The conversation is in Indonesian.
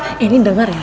eh ini denger ya